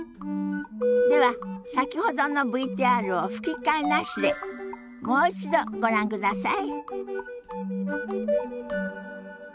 では先ほどのＶＴＲを吹き替えなしでもう一度ご覧ください。